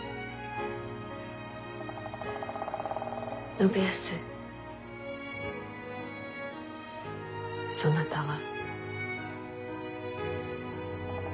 信康そなたは。